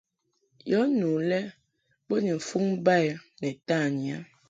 Yɔ nu lɛ bo ni mfuŋ ba i ni tanyi a.